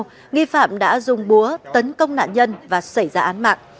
sau nghi phạm đã dùng búa tấn công nạn nhân và xảy ra án mạng